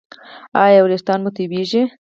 ایا ویښتان مو توییږي؟